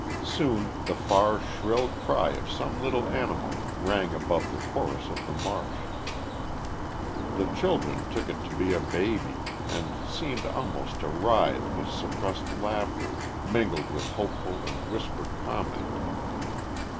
Soon the far, shrill cry of some little animal rang above the chorus of the marsh. The children took it to be a baby, and seemed almost to writhe with suppressed laughter mingled with hopeful and whispered comment.